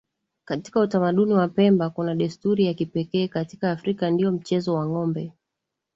Katika utamaduni wa Pemba kuna desturi ya kipekee katika Afrika ndiyo mchezo wa ngombe